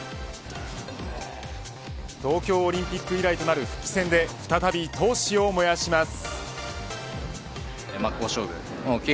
東京オリンピック以来となる復帰戦で再び闘志を燃やします。